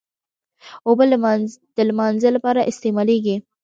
اوبه د لمانځه لپاره استعمالېږي.